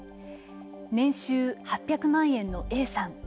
年収８００万円のＡさん。